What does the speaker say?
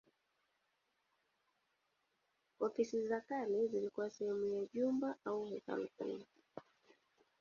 Ofisi za kale zilikuwa sehemu ya jumba au hekalu kubwa.